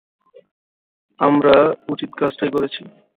আমরা উচিৎ কাজটাই করেছি।